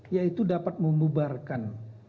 yaitu dapat membubarkan